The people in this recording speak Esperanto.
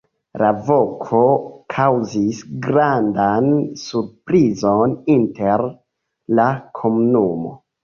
La voko kaŭzis grandan surprizon inter la komunumo.